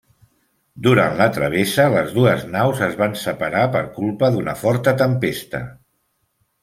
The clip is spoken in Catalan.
Durant la travessa les dues naus es van separar per culpa d'una forta tempesta.